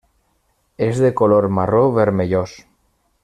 És de color marró vermellós.